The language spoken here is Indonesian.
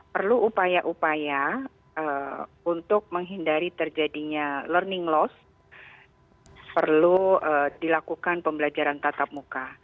perlu upaya upaya untuk menghindari terjadinya learning loss perlu dilakukan pembelajaran tatap muka